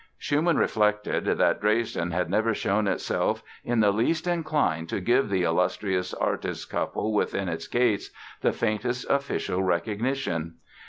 Schumann reflected that Dresden had never shown itself in the least inclined to give the illustrious artist couple within its gates the faintest official recognition.